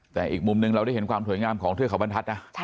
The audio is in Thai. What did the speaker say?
แต่อีกมุมหนึ่งเราได้เห็นความสวยงามของเทือกเขาบรรทัศน์นะ